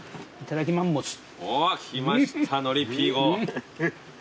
おっきましたのりピー語。